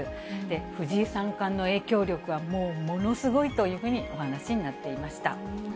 藤井三冠の影響力はもうものすごいというふうにお話しになっていました。